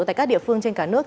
tại các địa phương trên cả nước